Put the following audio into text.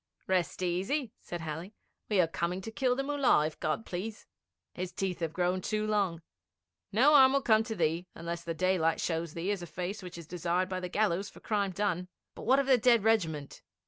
'Rest easy,' said Halley; 'we are coming to kill the Mullah, if God please. His teeth have grown too long. No harm will come to thee unless the daylight shows thee as a face which is desired by the gallows for crime done. But what of the dead regiment?'